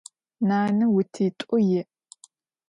Nane vutit'u yi'.